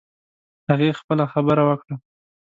هغې خپله خبره وکړه